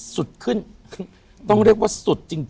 สุดขึ้นต้องเรียกว่าสุดจริง